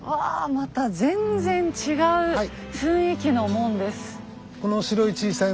また全然違う雰囲気の門です。